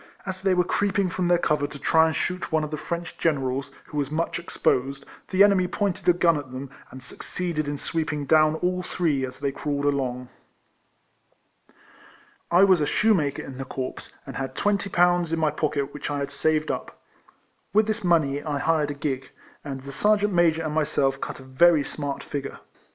As they were creeping from their cover to try and shoot one of the French generals, who was much exposed, the enemy pointed a gun at them, and succeeded in sweeping down all three, as they crawled along. M 242 IlECOLLECTIONS OF I was a shoemaker in the corps, and had twenty pounds in my pocket which I had saved up. With this money I hired a gig, and the Sergeant Major and myself cut a very smart figure.